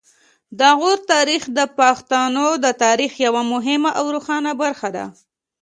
د غور تاریخ د پښتنو د تاریخ یوه مهمه او روښانه برخه ده